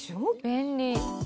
便利。